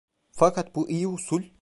Fakat bu iyi usul…